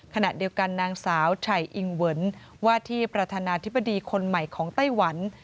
ขณะเดียวกันนางสาวชัยอิงเวิร์นว่าที่ประธานาธิบดีคนใหม่ของไต้หวัน